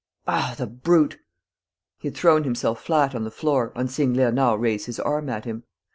Ah, the brute!" He had thrown himself flat on the floor, on seeing Léonard raise his arm at him.